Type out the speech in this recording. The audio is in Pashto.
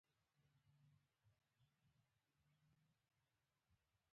دې کچې ډیپلوماسي ځینې اختلافونه هم په ګوته کړل